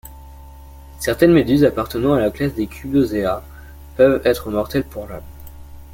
Certaines méduses appartenant à la classe des Cubozoa peuvent être mortelles pour l'Homme.